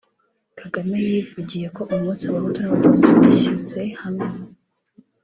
Kagame yivugiye ko umunsi Abahutu n’Abatutsi twashyize hamwe